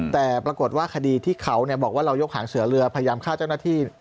แต่ปรากฏว่าคดีที่เขาบอกว่าเรายกหางเสือเรือพยายามฆ่าเจ้าหน้าที่